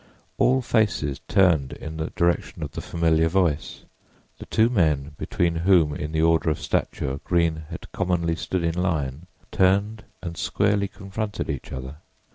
All faces turned in the direction of the familiar voice; the two men between whom in the order of stature Greene had commonly stood in line turned and squarely confronted each other.